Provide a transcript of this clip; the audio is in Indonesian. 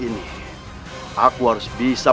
kamu s tumbukan